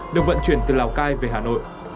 được vận chuyển từ lào cai về hà nội